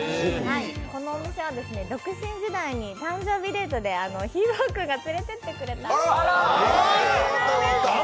このお店は独身時代に誕生日デートでひーぼぉくんが連れていってくれた。